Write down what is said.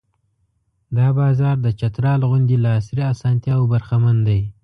دا بازار د چترال غوندې له عصري اسانتیاوو برخمن دی.